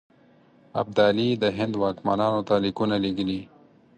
ابدالي د هند واکمنانو ته لیکونه لېږلي.